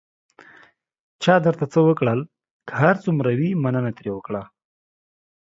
چا درته څه وکړل، که هر څومره وي، مننه ترې وکړه.